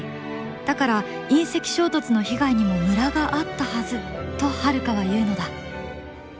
だから隕石衝突の被害にもムラがあったはず」とハルカは言うのだ。